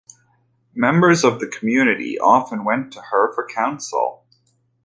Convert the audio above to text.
Members of the community often went to her for council.